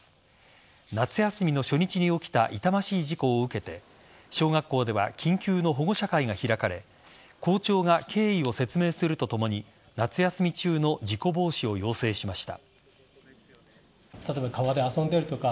夏休みの初日に起きた痛ましい事故を受けて小学校では緊急の保護者会が開かれ校長が経緯を説明するとともに夏休み中の事故防止を要請しました。